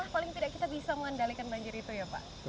paling tidak kita bisa mengendalikan banjir itu ya pak